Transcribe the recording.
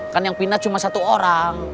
kan yang pindah cuma satu orang